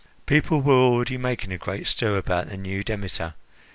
People were already making a great stir about the new Demeter.